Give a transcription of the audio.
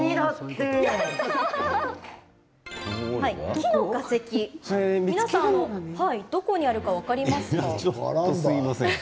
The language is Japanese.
木の化石どこにあるか分かりますか？